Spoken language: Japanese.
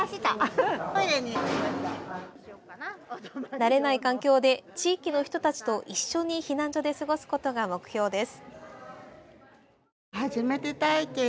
慣れない環境で、地域の人たちと一緒に避難所で過ごすことが目標です。